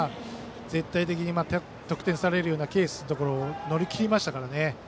絶対的に得点されるようなケースのところを乗り切りましたからね。